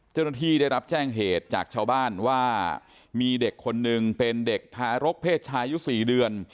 เจ้าหน้าที่ได้รับแจ้งเหตุจากชาวบ้านว่ามีเด็กคนนึงเป็นเด็กทารกเพศชายุ๔เดือน